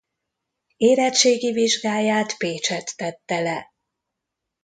Érettségi vizsgáját Pécsett tette le.